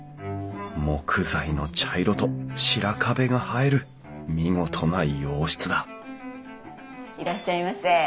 木材の茶色と白壁が映える見事な洋室だいらっしゃいませ。